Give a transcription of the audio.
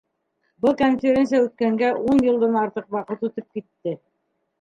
Был конференция үткәнгә ун йылдан артыҡ ваҡыт үтеп китте.